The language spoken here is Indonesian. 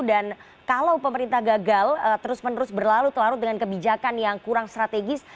dan kalau pemerintah gagal terus menerus berlalu terlalu dengan kebijakan yang kurang strategis